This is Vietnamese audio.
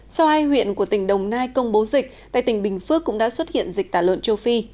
sau hai huyện của tỉnh đồng nai công bố dịch tại tỉnh bình phước cũng đã xuất hiện dịch tả lợn châu phi